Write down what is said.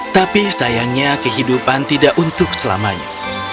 tapi sayangnya kehidupan tidak untuk selamanya